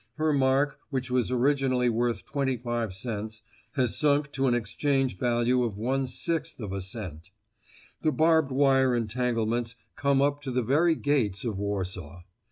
Her mark, which was originally worth twenty five cents, has sunk to an exchange value of one sixth of a cent. The barbed wire entanglements come up to the very gates of Warsaw.